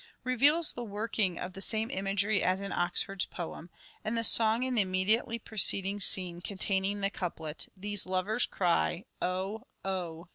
' reveals the working of the same imagery as in Oxford's poem ; and the song in the immediately preceding scene, containing the couplet :" These lovers cry, Oh ! oh